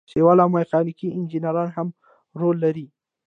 سیول او میخانیکي انجینران هم رول لري.